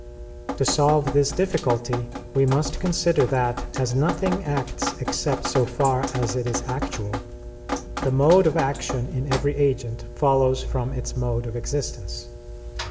To solve this difficulty we must consider that as nothing acts except so far as it is actual, the mode of action in every agent follows from its mode of existence.